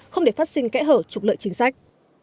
không để phát sinh kẽ hở trục lợi chính sách